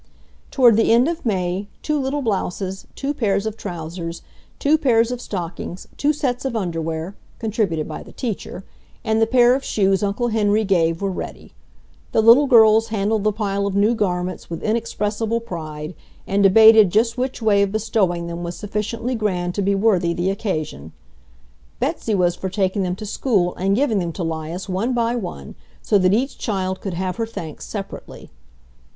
Toward the end of May two little blouses, two pairs of trousers, two pairs of stockings, two sets of underwear (contributed by the teacher), and the pair of shoes Uncle Henry gave were ready. The little girls handled the pile of new garments with inexpressible pride, and debated just which way of bestowing them was sufficiently grand to be worthy the occasion. Betsy was for taking them to school and giving them to 'Lias one by one, so that each child could have her thanks separately.